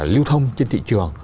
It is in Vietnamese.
lưu thông trên thị trường